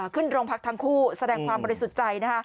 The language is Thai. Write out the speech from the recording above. ขึ้นโรงพักทั้งคู่แสดงความบริสุทธิ์ใจ